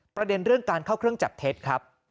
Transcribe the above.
ประเด็นเรื่องการเข้าเครื่องจับเท็จครับ